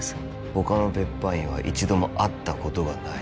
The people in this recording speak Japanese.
他の別班員は一度も会ったことがない？